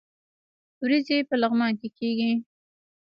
وریجې په لغمان کې کیږي